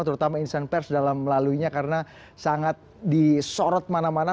terutama insan pers dalam melaluinya karena sangat disorot mana mana